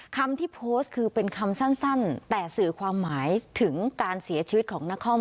คำที่โพสต์คือเป็นคำสั้นแต่สื่อความหมายถึงการเสียชีวิตของนคร